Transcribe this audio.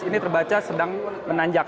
ini terbaca sedang menanjak